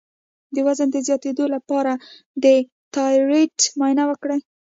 د وزن د زیاتیدو د دوام لپاره د تایرايډ معاینه وکړئ